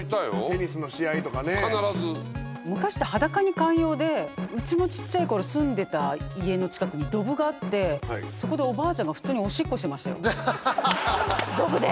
テニスの試合とかね必ずうちもちっちゃい頃住んでた家の近くにドブがあってそこでおばあちゃんが普通におしっこしてましたよドブで！？